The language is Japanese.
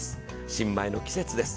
新米の季節です。